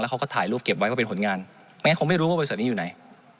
เขาก็ถ่ายรูปเก็บไว้ว่าเป็นผลงานแม้คงไม่รู้ว่าบริษัทนี้อยู่ไหน